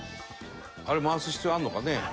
あれ回す必要あるのかね？